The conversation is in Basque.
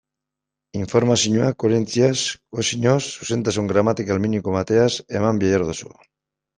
Informazioa koherentziaz, kohesioz, zuzentasun gramatikal minimo batekin eman behar duzu.